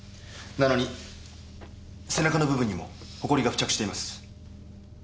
なのに背中の部分にもほこりが付着しています。